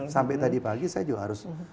sampai tadi pagi saya juga harus